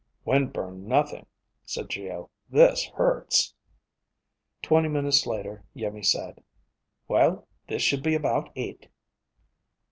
"Wind burned nothing," said Geo. "This hurts." Twenty minutes later, Iimmi said, "Well, this should be about it."